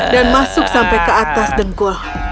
dan masuk sampai ke atas dengkau